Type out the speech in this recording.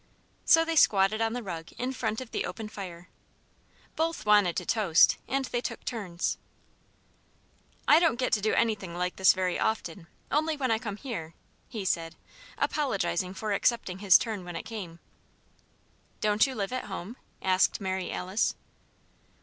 So they squatted on the rug in front of the open fire. Both wanted to toast, and they took turns. "I don't get to do anything like this very often only when I come here," he said, apologizing for accepting his turn when it came. "Don't you live at home?" asked Mary Alice.